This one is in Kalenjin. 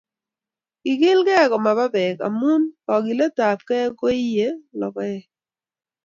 Kigiligei komaba Bek amu kogiletabkei koiye logoek